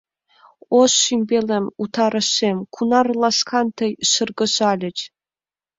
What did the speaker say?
О шӱмбелем, утарышем, Кунар ласкан тый шыргыжальыч.